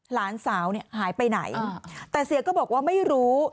หลานสาวเนี่ยหายไปไหนแต่เสียก็บอกว่าไม่รู้